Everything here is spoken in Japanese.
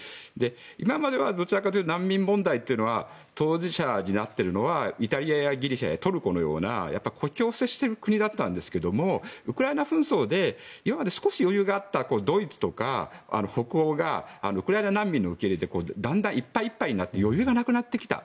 今まではどちらかというと難民問題というのは当事者になっているのはイタリアやギリシャやトルコのような国境を接している国だったんですけどウクライナ紛争で今まで少し余裕があったドイツとか、北欧がウクライナ難民の受け入れでだんだんいっぱいいっぱいになり余裕がなくなってきた。